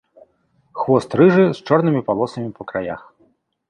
Хвост рыжы з чорнымі палосамі па краях.